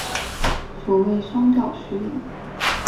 所谓双调序列。